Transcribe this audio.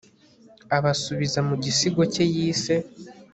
abasubiza mu gisigo cye yise